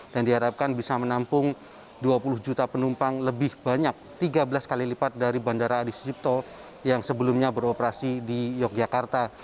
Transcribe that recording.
dan itu terdampak lebih banyak tiga belas kali lipat dari bandara adik sucipto yang sebelumnya beroperasi di yogyakarta